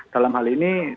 dalam hal ini